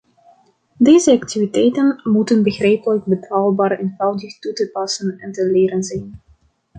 Deze activiteiten moeten begrijpelijk, betaalbaar, eenvoudig toe te passen en te leren zijn.